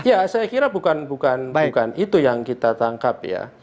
ya saya kira bukan itu yang kita tangkap ya